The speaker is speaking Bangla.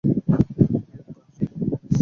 তো, এবার কোন হাস্যকর পরিকল্পনা নিয়ে মাঠে নেমেছো?